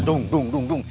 dung dung dung dung